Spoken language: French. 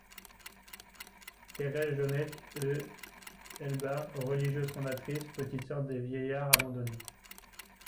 Thérèse Jornet e Ibars, religieuse, fondatrice des Petites sœurs des vieillards abandonnés.